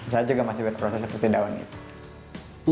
saya juga masih berproses seperti daun itu